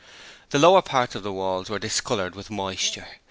The lower parts of the walls were discoloured with moisture.